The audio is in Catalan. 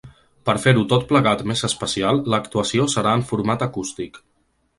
Per fer-ho tot plegat més especial, l’actuació serà en format acústic.